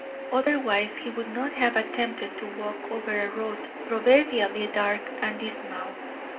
Otherwise he would not have attempted to walk over a road proverbially dark and dismal.